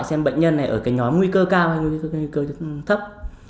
xem bệnh nhân ở cái nhóm nguy cơ cao hay nguy cơ thấp